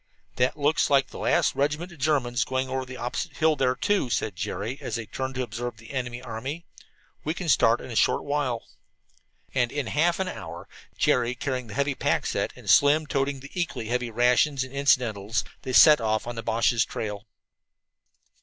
"That looks like the last regiment of the Germans going over the opposite hill there, too," said Jerry, as they turned to observe the enemy army. "We can start in a short while." And in half an hour, Jerry carrying the heavy pack set and Slim toting the equally weighty rations and incidentals, they set off on the Boches' trail.